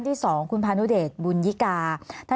มีความรู้สึกว่าเสียใจ